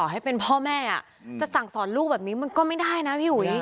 ให้เป็นพ่อแม่จะสั่งสอนลูกแบบนี้มันก็ไม่ได้นะพี่อุ๋ย